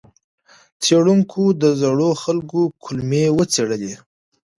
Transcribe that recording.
څېړونکو د زړو خلکو کولمې وڅېړلې.